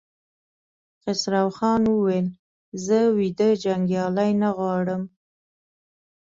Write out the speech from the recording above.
خسروخان وويل: زه ويده جنګيالي نه غواړم!